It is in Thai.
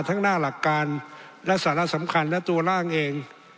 หน้าหลักการและสาระสำคัญและตัวร่างเอง